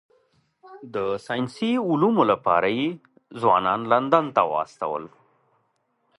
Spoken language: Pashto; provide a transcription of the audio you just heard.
د ساینسي علومو لپاره یې ځوانان لندن ته واستول.